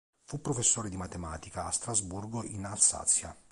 Fu professore di matematica a Strasburgo in Alsazia.